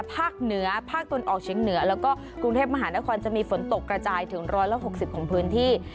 ภาคเหนือภาคตนออกเชียงเหนือแล้วก็กรุงเทพมหานครจะมีฝนตกกระจายถึง๑๖๐ของพื้นที่